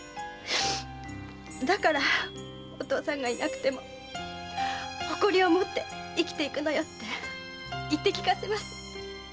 だからお父さんがいなくても誇りを持って生きていくのよって言って聞かせます。